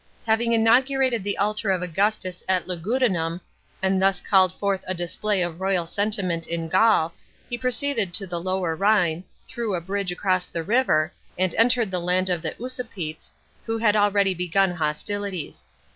Having inaugurated the altar of Augustus at Lugudunum, and thus called forth a display of loyal sentiment in Gaul, he proceeded to the lower Rhine, threw a bridge acioss the river, and entered the land of the Usipetes, who had already begun hostilities.